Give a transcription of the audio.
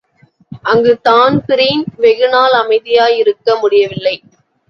அங்கு தான்பிரீன் வெகுநாள் அமைதியாயிருக்க முடியவில்லை.